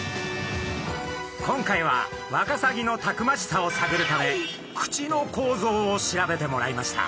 今回はワカサギのたくましさを探るため口の構造を調べてもらいました。